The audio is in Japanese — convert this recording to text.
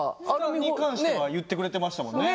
ふたに関しては言ってくれてましたもんね。